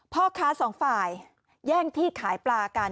พ่อค้าสองฝ่ายแย่งที่ขายปลากัน